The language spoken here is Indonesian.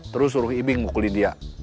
terus suruh ibing mukulin dia